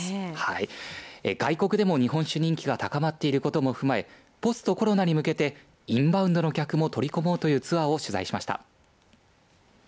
外国でも日本酒人気が高まっていることも踏まえポストコロナに向けてインバウンドの客も取り込もうというツアーを取材しました。